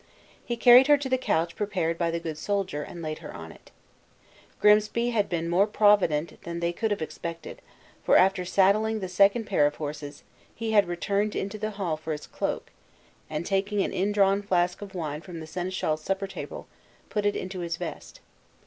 He carried her to the couch prepared by the good soldier, and laid her on it. Grimsby had been more provident than they could have expected; for after saddling the second pair of horses, he had returned into the hall for his cloak, and taking an undrawn flask of wine from the seneschal's supper table, put it into his vest.